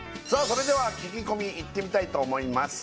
それでは聞き込みいってみたいと思います